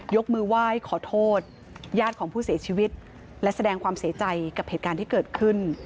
ยกมือไหว้ขอโทษญาติของผู้เสียชีวิตและแสดงความเสียใจกับเหตุการณ์ที่เกิดขึ้น